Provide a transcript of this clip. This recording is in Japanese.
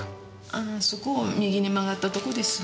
ああそこを右に曲ったとこです。